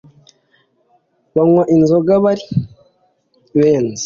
Banywa inzoga bari benze.